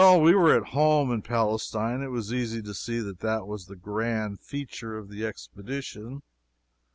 Well, we were at home in Palestine. It was easy to see that that was the grand feature of the expedition.